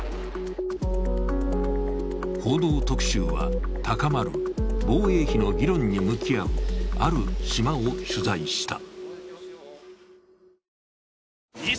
「報道特集」は高まる防衛費の議論に向き合う、ある島を取材した。